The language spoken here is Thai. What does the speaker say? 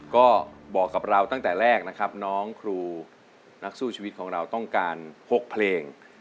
ก็บอกกับเราตั้งแต่แรกนะครับน้องครูนักสู้ชีวิตของเราต้องการ๖เพลง